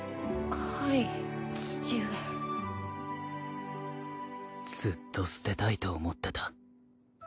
はい父上ずっと捨てたいと思ってた。